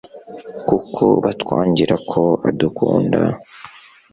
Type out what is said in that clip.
kuko batwangira ko adukunda